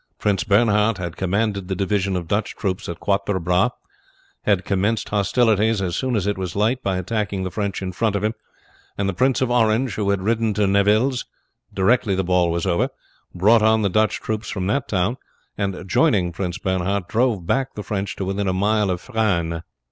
Prince Bernhard who commanded the division of Dutch troops at Quatre Bras, had commenced hostilities as soon as it was light by attacking the French in front of him; and the Prince of Orange, who had ridden to Nivelles, directly the ball was over, brought on the Dutch troops from that town, and joining Prince Bernhard drove back the French to within a mile of Frasnes.